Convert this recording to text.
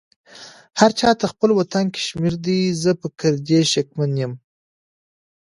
هرچا ته خپل وطن کشمير دې خو په ګرديز شکمن يم